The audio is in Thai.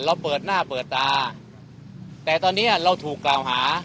เราเปิดหน้าเปิดตาแต่ตอนนี้เราถูกกล่าวหา